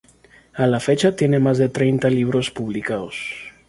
A la fecha tiene más de treinta libros publicados.